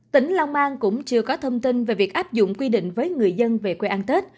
tỉnh long an cũng chưa có thông tin về việc áp dụng quy định với người dân về quê ăn tết